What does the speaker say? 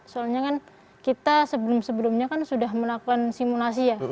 soalnya kan kita sebelum sebelumnya kan sudah melakukan simulasi ya